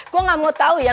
gue gak mau tahu ya